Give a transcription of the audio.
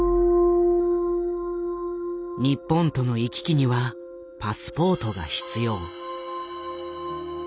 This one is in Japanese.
日本との行き来にはパスポートが必要。